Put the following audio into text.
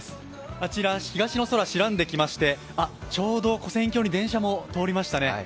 あちら東の空、白んできまして、ちょうど跨線橋に電車も通りましたね。